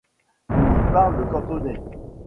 On y parle le cantonais.